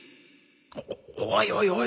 おおいおいおい！